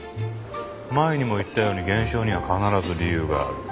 前にも言ったように現象には必ず理由がある。